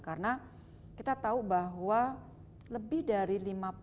karena kita tahu bahwa lebih dari lima puluh